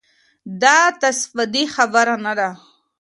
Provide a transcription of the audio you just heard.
دا تصادفي خبره نه ده.